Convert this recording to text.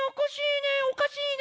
おかしいね。